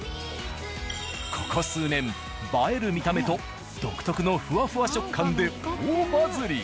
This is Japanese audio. ここ数年映える見た目と独特のフワフワ食感で大バズり！